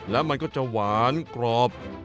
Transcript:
แล้วมันก็จะหวานกรอบ